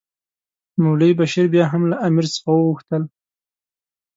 مولوي بشیر بیا هم له امیر څخه وغوښتل.